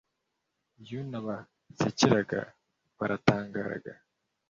iyo nabasekeraga, baratangaraga